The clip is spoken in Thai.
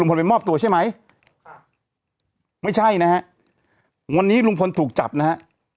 ไปมอบตัวใช่ไหมไม่ใช่นะฮะวันนี้ลุงพลถูกจับนะฮะ